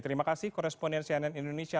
terima kasih koresponden cnn indonesia